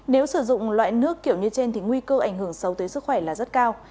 nếu sử dụng loại nước kiểu như trên thì nguy cơ ảnh hưởng xấu tới sức khỏe là rất cao